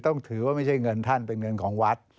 ต้องถือว่าไม่ใช่เงินท่านเป็นเงินของวัด